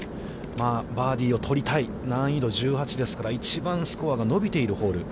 バーディーを取りたい難易度１８ですから、一番スコアが伸びているホール。